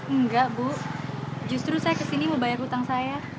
enggak bu justru saya kesini mau bayar utang saya